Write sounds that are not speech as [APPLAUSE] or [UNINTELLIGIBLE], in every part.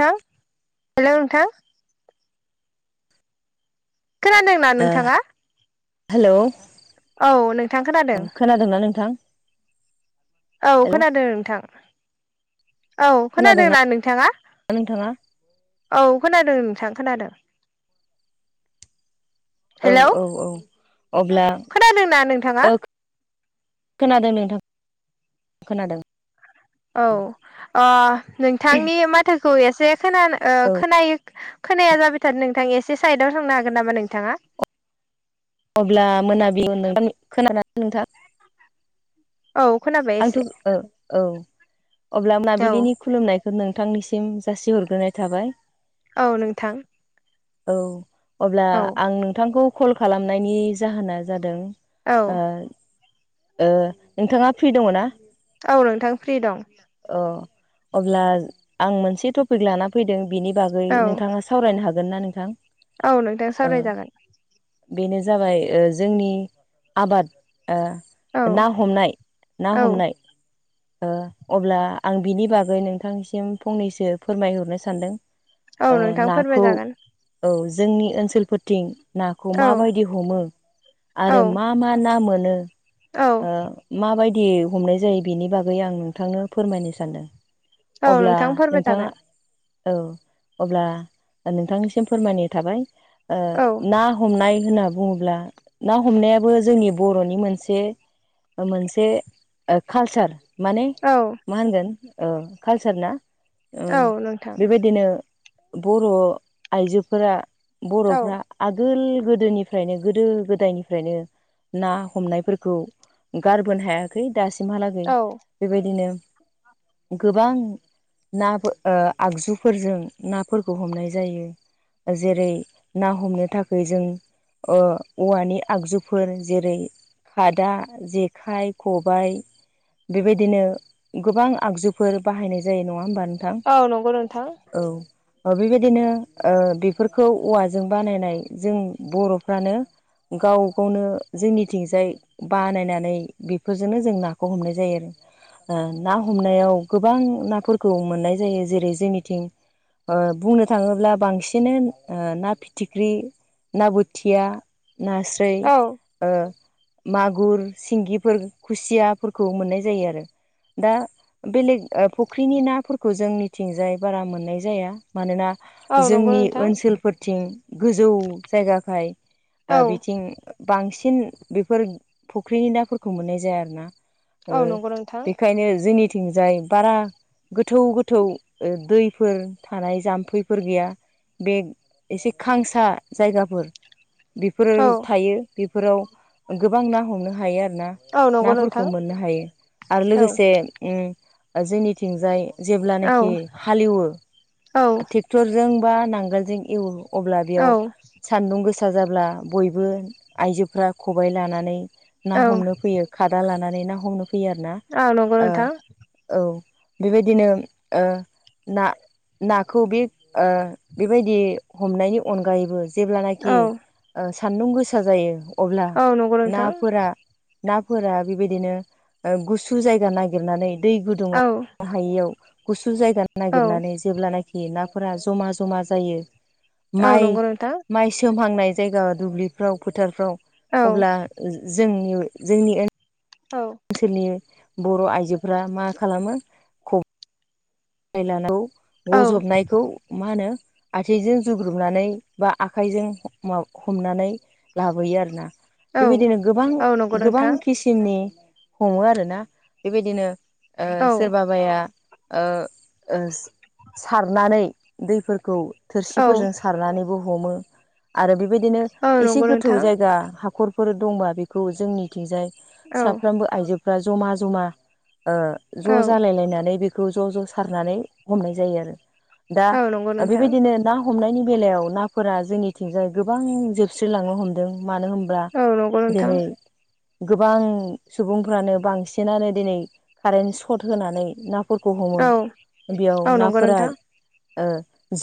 नोंथां हेल' नोंथां खोनादों ओ हेलौ औ नोंथां खोनादों खोनादोंना नोंथां औ हेलौ खोनादों नोंथां औ खोनादोंना नोंथाङा नोंथाङा औ खोनादों नोंथां खोनादों औ हेलौ औ औ अब्ला खोनादोंना नोंथाङा ओ खोनादों नोंथां खोनादों औ नोंथांनि माथोखौ एसे खोना औ खोनायो खोनाया जाबाय थार नोंथां एसे साइडआव थांनो हागोन नामा नोंथाङा अब्ला मोनाबियाव खोनानानै नोंथां [UNINTELLIGIBLE] औ खोनाबाय आंथ' एसे ओ औ अब्ला औ मोनाबिलिनि खुलुमनायखौ नोंथांनिसिम जासिहरग्रोनाय थाबाय औ नोंथां औ अब्ला औ आं नोंथांखौ कल खालामनायनि जाहोना जादों औ ओ ओ नोंथाङा फ्रि दङ ना औ नोंथां फ्रि दं अ अब्ला आं मोनसे टपिक लाना फैदों बिनि बागै औ नोंथाङा सावरायनो हागोन ना नोंथां औ नोंथां ओ सावरायजागोन। बेनो जाबाय जोंनि आबाद ओ औ ना हमनाय ना औ हमनाय ओ अब्ला आं बिनि बागै नोंथांनिसिम फंनैसो फोरमायहरनो सानदों औ ओ नोंथां नाखौ फोरमायजागोन औ जोंनि ओनसोलफोरथिं नाखौ औ माबायदि हमो औ आरो मा मा ना मोनो औ ओ माबायदि हमनाय जायो बेनि बागै आं नोंथांनो फोरमायनो सानदों औ अब्ला नोंथां फोरमाय नोंथाङा जागोन औ अब्ला नोंथांनिसिम फोरमायनाय थाबाय ओ औ ना ना हमनाय होनना बुङोब्ला ना हमनायाबो जोंनि बर'नि मोनसे मोनसे कालसार माने औ मा होनगोन कालसार ना औ नोंथां बेबायदिनो बर' आइजोफोरा औ बर'फ्रा आगोल गोदोनिफ्रायनो गोदो गोदायनिफ्रायनो ना हमनायफोरखौ गारबोनो हायाखै दासिमहालागै औ बेबायदिनो गोबां ना ओ आगजुफोरजों नाफोरखौ हमनाय जायो जेरै ना हमनो थाखाय जों ओ औवानि आगजुफोर जेरै खादा जेखाइ खबाय बेबायदिनो गोबां आगजुफोर बाहायनाय जायो नङा होमबा नोंथां औ नंगौ नोंथां औ बेबायदिनो ओ बेफोरखौ औवाजों बानायनाय जों बर'फ्रानो गाव गावनो जोंनिथिंजाय बानायनानै बेफोरजोंनो जों नाखौ हमनाय जायो आरो ना हमनायाव गोबां नाफोरखौ मोननाय जायो जेरै जोंनिथिं ओ बुंनो थाङोब्ला बांसिन ना फिथिख्रि ना ब खोथिया नास्राय औ ओ मागुर सिंगिफोर खुसियाफोरखौ मोननाय जायो आरो दा बेलेग फुख्रिनि नाफोरखौ जोंनिथिंजाय बारा मोननाय जाया मानोना औ नंगौ जोंनि नोंथां ओनसोलफोरथिं गोजौ जायगाखाय औ बिथिं बांसिन बेफोर फुख्रिनि नाफोरखौ मोननाय जाया आरोना औ नंगौ नोंथां बेनिखायनो जोंनि थिंजाय बारा गोथौ गोथौ दैफोर थानाय जाम्फैफोर गैया बे एसे खांसा जायगाफोर बेफोरो औ थायो बेफोराव गोबां ना हमनो हायो आरो ना औ नंगौ नोंथां नाफोरखौ मोननो हायो आरो औ लोगोसे उम जोंनिथिंजाय औ जेब्लानाखि हालेवो औ ट्रेक्टरजों बा नांगोलजों एवो अब्ला बेयाव औ सान्दुं गोसा जाब्ला बयबो आइजोफ्रा खबबाय लानानै ना औ हमनो फैयो खादा लानानै ना हमनो फैयो आरो ना औ नंगौ ओ नोंथां औ बेबायदिनो ओ ना नाखौ बे ओ बेबायदि हमनायनि अनगायैबो जेब्लानाखि औ सान्दुं गोसा जायो अब्ला औ नंगौ नोंथां नाफोरा नाफोरा बेबायदिनो गुसु जायगा नागिरनानै दै औ गुदुङआव हायैयाव गुसु जायगा औ नागिरनानै जेब्लानाखि नाफोरा जमा जमा जायो औ माइ नंगौ नोंथां माइ सोमहांनाय जायगा दुब्लिफ्राव फोथारफ्राव औ अब्ला जोंनि जोंनि औ ओनसोलनि बर' आइजोफ्रा मा खालामो ख औ गजबनायखौ मा होनो आथिइजों जुग्रुबनानै बा आखाइजों हमनानै लाबोयो आरोना औ बेबायदिनो गोबां औ नंगौ गोबां नोंथां खि थिननि हमो आरोना बेबायदिनो औ सोरबाया सारनानै दैफोरखौ औ थोरसिफोरजों सारनानैबो हमो आरो बेबायदिनो एसे नंगौ गोथौ नोंथां जायगा हाखर फोर दंबा बेखौ जोंनिथिंजाय औ साफ्रोमबो आइजोफ्रा जमा जमा ज' औ जालायलायनानै बेखौ ज' ज' सारनानै हमनाय जायो आरो। दा औ नंगौ नोंथां बेबायदिनो ना हमनायनि बेलायाव नाफोरा जोंनिथिंजाय गोबां जोब सुस्रिलांनो हमदों मानो होनब्ला औ नंगौ नोंथां दिनै गोबां सुबुंफ्रानो बांसिनानो दिनै कारेन्ट सर्ट होनानै ना फोरफोरखौ हमो औ बेयाव औ नंगौ नाफोरा नोंथां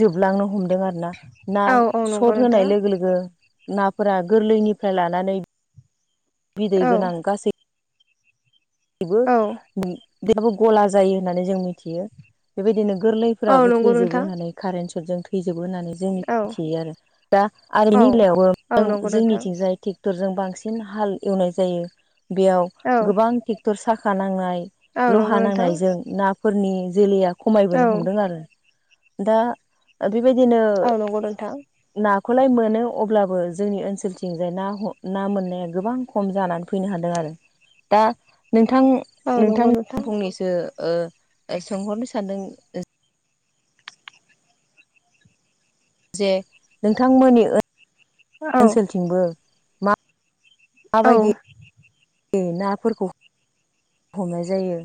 जोबलांनो हमदों आर ना ना औ औ नंगौ सट नोंथां होनाय लोगो लोगो नाफोरा गोरलैनिफ्राय लानानै बिदै औ गोनां गासै बो औ बेबो गला जायो होननानै जों मिथियो बेबायदिनो गोरलै औ फोराबो नंगौ थैजोबो नोंथां होननानै कारेन्ट सटजों थैजोबो होननानै जोंनि औ मिथियो आरो दा औ आरनि औ बेलायावबोों नंगौ नोंथां जोंनिथिंजाय थिग ट्रेक्टरजों बांसिन हाल एवनाय जायो बेयाव औ गोबां ट्रेक्टर साखा नांनाय औ नंगौ लहा नोंथां नांनायजों ना फोरनि जोलैया खमायबोनो औ हमदों आरो दा आरो बेबायदिनो औ नंगौ नोंथां नाखौलाय मोनो अब्लाबो जोंनि ओनसोलथिंजाय ना ना मोननाया गोबां खम जानानै फैनो हादों आरो दा नोंथां औ नोंथां नंगौ फंनैसो सोंहरनो सानदों। जे नोंथांमोननि औ ओनसोलथिंबो मा औ माबायदि नाफोरखौ हमनाय जायो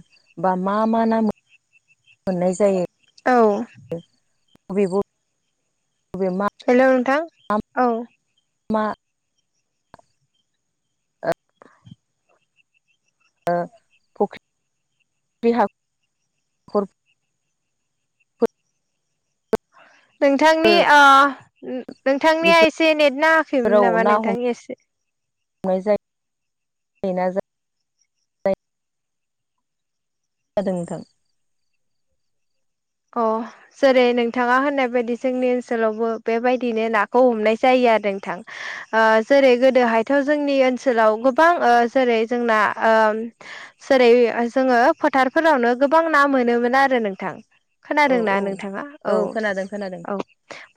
बा मा मा नाम मोननाय जायो। औ। बे बेमा हेल' नोंथां औ। मा ओ। हाखरफोर नोंथांनि नोंथांनिया एसे नेटना होाखैमोन नामा नोंथांनियासे नाय जायो ज जादों नोंथां। अ जेरै नोंथाङा होननाय बायदि जोंनि ओनसोलावबो बेबायदिनो नाखौ हमनाय जायो आरो नोंथां। जेरै गोदोहायथ' जोंनि ओनसोलाव गोबां जेरै जोंना जेरै जोङो फोथारफोरावनो गोबां ना मोनोमोन आरो नोंथां। औ खोनादों ना औ नोंथाङा औ खोनादों खोनादों औ।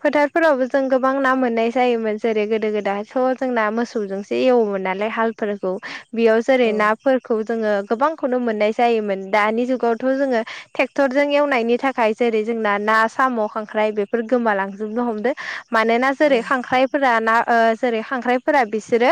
फोथारफोरावबो जों गोबां ना मोननाय जायोमोन जेरै गोदो गोदायथ' जोंना मोसौजोंसो एसे एवोमोन नालाय हालफोरखौ बेयाव जेरै औ ना खौ जोङो गोबांखौनो मोननाय जायोमोन दानि जुगावथ' जोङो ट्रेक्टरजों एवनायनि थाखाय जेरै जोंना ना साम' खांख्राइ बेफोर गोमालांजोबनो हमदों मानोना औ जेरै खांख्राय फोर ना जेरै खांख्राइफोरा बिसोरो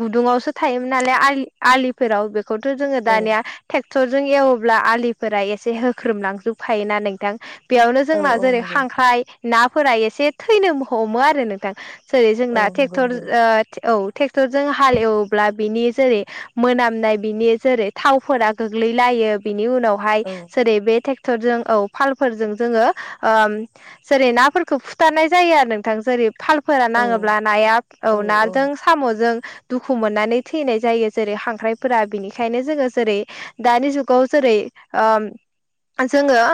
गुदुुंवसो थायोमोन नालाय आलि आलिफोराव थ' जोङो औ दानिया ट्रेक्टर जजों एवोब्ला आलिफोरा एसे होख्रोमलांजोबफायोना नों नोंथां बेयावनो औ जोंना औ जेरै नंगौ खांख्राय नाफोरा एसे थैनो हमो आरो नोंथां। जेरै औ जोंना नंगौ ट्रेक्टर नंगौ औ ट्रेक्टर जों हालेव्ला बेनि जेरै मोनामनाय बिनि जेरै थावफोरा गोग्लैलायो बिनि उनाव हाय औ जेरै बे ट्रेक्टरजों औ। फालफोरजों जोङो जेरै नाफोरखौ फुथारनाय जायो आरो नोंथां जेरै थाल फोर औ नाङोब्ला नाया औ नाजों। साम'जों दुखु मोननानै थैनाय जायो जेरै खांख्राइफोरा बिनिखायनो जोङो जेरै दानि जुगाव जेरै जोङो।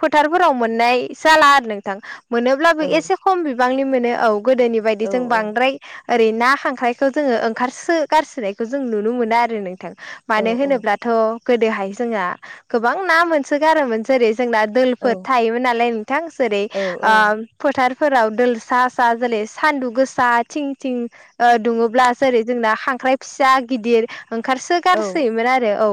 फोथारफोराव मोननाय जाला आरो नोंथां मोनोब्लाबो औ एसे खम बिबांनि मोनो औ गोदोनि बायदि औ जों औ बांद्राय। ओरै ना खांख्रायखौ जोङो ओंखारसो गारसोनायखौ जों नुनो मोनो आरो नोंथां औ मानो होनोब्ला। दाथ' गोदोहाय जोंहा गोबां ना मोनसोगारोमोन जेरै जोंना औ दोलोफोर थायोमोन नालाय नोंथां जेरै औ औ फोथारफोराव दोलसासा जेरै सान्दुं गोसा थिं थिं दुङोब्ला जेरै जोंना खांख्राइ फिसा गिदिर ओंखारसो औ गारसोयोमोन आरो औ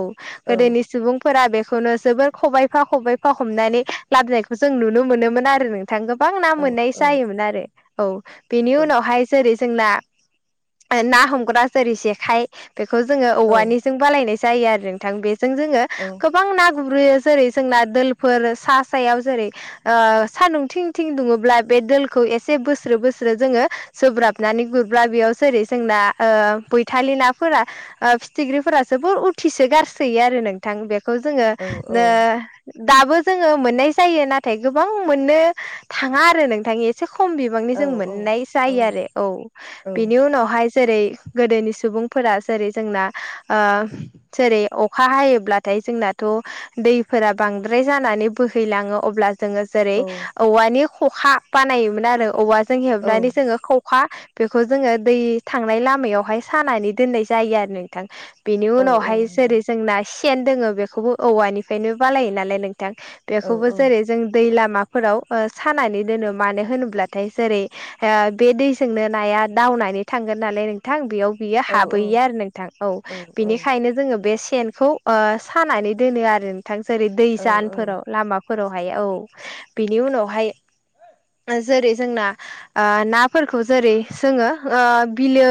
औ गोदोनि सुबुंफोरा बेखौनो जोबोर खबायाइफा खबबायफा हमनानै लाबोनायखौ जों नुनो मोनोमोन आरो नोंथां गोबां ना औ मोननाय जायोमोन आरो। औ बेनि औ उनावहाय जेरै जोंना ना हमग्रा जेरै जेखाइ बेखौ जोङो औ औवानिजों बालायनाय जायो आरो नोंथां बेजों जोङो। औ। गोबां ना गुरैयो जेरै जोंना दफोर सा सायाव जेरै सान्दुं थिं थिं दुङोब्ला बे दखौ एसे बोस्रो बोस्रो जोङो। सब्राबनानै गुरब्ला बेयाव जेरै जोंना बैथालि नाफोरा। फिथिख्रिफोरासो बु उथिसो गारसोयो आरो नोंथां बेखौ जोङो। दाबो जोङो मोननाय जायो नाथाय गोबां मोननो थाङा आरो नोंथांनि एसे खम बि बांनि जों नंगौ मोननाय जायो आरो औ बेनि उनावहाय। जेरै गोदोनि सुबुंफोरा जेरै जोंना जेरै अखा हायोब्लाथाय जोंनाथ' दैफोराबो बांद्राय जानानै बोहैलाङो अब्ला जोङो जेरै औवानि खखा बानायोमोन आरो औवाजों हेबनानै औ जोङो खखा बेखौ जोङो दै थांनाय लामायावहाय सानानै दोननाय जायो आरो नोंथां बेनि उनावहाय जेरै जोंना सेन दोङो बेखौबो औवानिफ्रायनो बालायो नालाय नोंथां। बेखौबो जेरै जों दै लामाफोराव सानानै दोनो मानो होनोब्लाथाय जेरै बे दैजोंनो नाया दावनानै थांगोन नालाय नों नोंथां बेयाव बियो हाबोयो आरो नोंथां औ बिनिखायनो जोङो बे सेनखौ सानानै दोनो आरो नोंथां जेरै औ औ दैजानफोराव लामाफोर फोरावहाय औ बिनि उनावहाय जेरै जोंना नाफोरखौ जेरै जोङो बिलो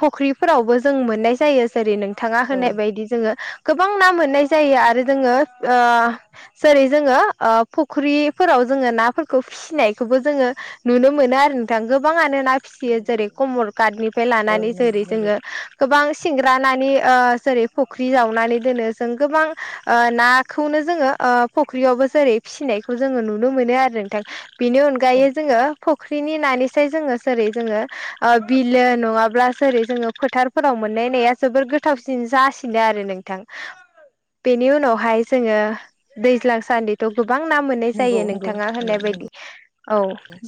फुख्रिफोरावबो जों मोननाय जायो। जेरै नोंथाङा होनाय औ बायदि जोङो गोबां ना मोननाय जायो आरो जोङो। जेरै जोङो फुख्रिफोराव जोङो नाफोरखौ फिसिनायखौबो जोङो। नुनो मोनो आरो नोंथां गोबाङानो नाय फिसियो मोननो जेरै हायो। कमर का्टनिफ्राय औ लानानै जेरै जोङो। नंगौ गोबां सिंग्रानानै जेरै फुख्रि जावनानै दोनो जों गोबां। नाखौनो जोङो फुख्रियावबो जेरै फिसिनायखौ जोङो नुनो मोनो आरो नोंथां। बिनि नंगौ औ अनगायै औ जोङो फुख्रिनि नानि। जोङो जेरै जोङो बिलो नङाब्ला जेरै जोङो फोथारफोराव मोननाया जोबोर गोसो गोथावसिन जासिनो आरो नोंथां बेनि उनावहाय जोङो दैज्लां सानदि थ' गोबां ना मोननाय नंगौ जायो नंगौ नोंथाङा नंगौ होननाय बायदि नंगौ औ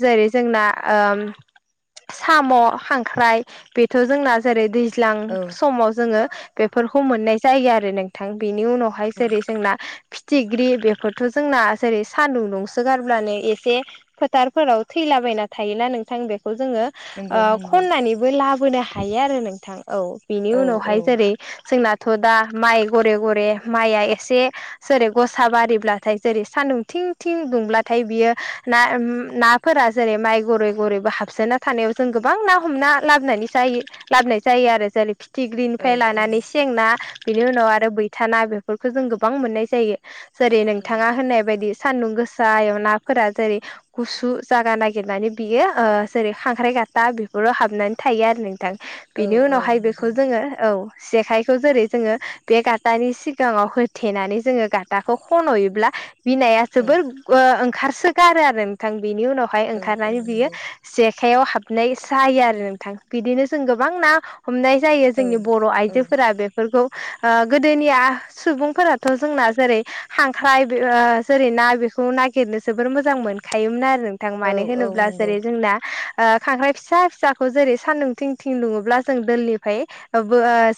जेरै जोंना ओम साम' खांख्राइ बे थ' जोंना जेरै दैज्लां औ समाव जोङो बेफोरखौ मोननाय जायो आरो नोंथां बेनि उनावहाय औ जेरै जोंना फिथिख्रि बेफोरथ' जोंना जेरै सान्दुंसो गारब्लानो एसे फोथारफोराव थैलाबायना थायोना नोंथां बेखौ जोङो नंगौ ओ नंगौ खननानैबो लाबोनो हायो आरो नोंथां औ बिनि औ औ उनावहाय जेरै जोंनाथ' दा माइ गघरे गघरे माइआ एसे जेरै गसा बारिब्लाथाय जेरै सानदुं थिं थिं दुंब्लाथाय बियो ना ना फोर जेरै माइ गरै गरैबो हाबसोना थानायाव जों गोबां ना हमना लाबोनानै जायो लाबनाय जायो आरो जेरै औ फिथिख्रिनिफ्राय लानानै सेंना बेनि उनाव आरो बैथाना बेफोरखौ जों गोबां मोननाय जायो। जेरै नोंथाङा होननाय बायदि सान्दुं गोसा आयनााफोरा जेरै गुसु जागा नागिरनानै बियो ओ जेरै खांख्राइ गाथा बेफोराव हाबनानै थायो आरो नोंथां औ बेनि औ उनावहाय नंगौ बेखौ जोङो औ जेखाइखौ जेरै जोङो बे गाथानि सि गाङाव होथेनानै जोङो गाथाखौ खन'योब्ला बिनाया औ जोबोर ओ ओंखारसोगारो आरो नोंथां बिनि उनावहाय औ ओंखारनानै औ बियो नंगौ जेखाइआव हाबनाय जायो आरो नोंथां बिदिनो जों गोबां ना हमनाय जायो औ जोंनि बर' औ आइजोफोरा बेफोरखौ आ गोदोनिया सुबुंफोराथ' जोंना जेरै खांख्राय जेरै ना बेखौ नागिरनो जोबोर मोजां मोन खायोमोन आरो नोंथां औ मानो औ होनोब्ला नंगौ जेरै जोंना ओ, खांख्राइ फिसा फिसाखौ जेरै सान्दुं थिं थिं दुङोब्ला जों दोलनिफ्राय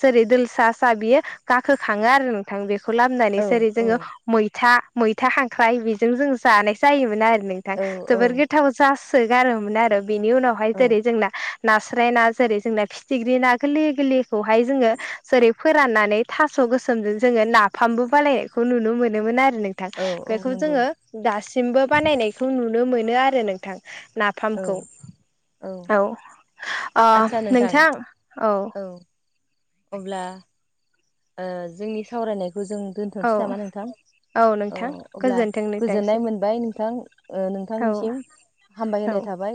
जेरै दोल सा सा बियो गाखोखाङो आरो थां बेखौ लामनानै औ जेरै औ जोङो मैथा मैथा खांख्राय बेजों जों जानाय जायोमोन आरो नोंथां औ औ जोबोर गोथाव जासो गारोमोन आरो बिनि उनावहाय औ जेरै जोंना नास्राय ना जेरै जोंना फिथिख्रि ना गोरलै गोरलैखौहाय जोङो जेरै फोराननानै थास' गोसोमजों जोङो नाफामबो बानायायनायखौ नुनो मोनोमोन आरो नों थां औ औ बेखौ नंगौ जोङो दासिमबो बानायनायखौ नुनो मोनो आरो नोंथां औ नाफामखौ औ अ नोंथां औ अब्ला ओ जोंनि सावरायनायखौ जों औ दोन्थ'नोसै नामा नोंथां औ नोंथां अब्ला गोजोन्थों गोजोननाय नोंथांसिम मोनबाय नोंथां ओ औ नोंथांनिसिम हामबाय औ होनाय थाबाय